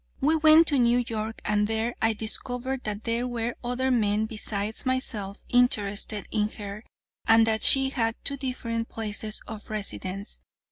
We went to New York, and there I discovered that there were other men besides myself interested in her, and that she had two different places of residence.